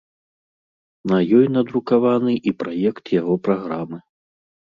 На ёй надрукаваны і праект яго праграмы.